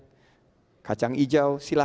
pertarungan yang menjadi atas peluang tugas ft adalah